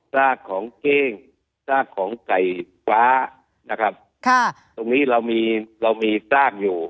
ซากของเก้งซากของไก่ฟ้านะครับค่ะตรงนี้เรามีเรามีซากอยู่